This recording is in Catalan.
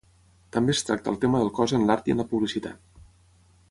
També es tracta el tema del cos en l'art i en la publicitat.